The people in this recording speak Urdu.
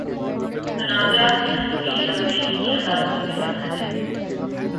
تنازعات کے حل کے لیے ہمیں انہی عدالتوں میں جانا ہے۔